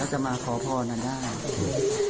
ก็จะมาขอพอนะได้